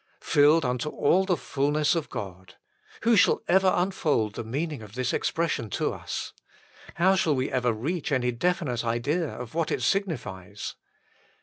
Filled unto all the fulness of God : who shall ever unfold the meaning of this expression to us ? How shall we ever reach any definite idea of what it signifies